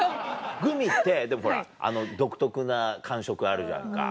グミってでもほらあの独特な感触あるじゃんか。